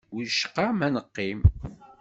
Wicqa ma neqqim?